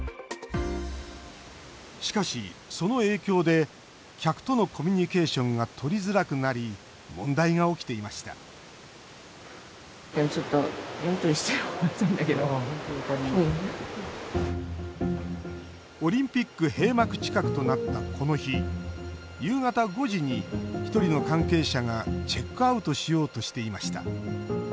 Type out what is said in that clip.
しかし、その影響で客とのコミュニケーションがとりづらくなり問題が起きていましたオリンピック閉幕近くとなったこの日夕方５時に１人の関係者がチェックアウトしようとしていました。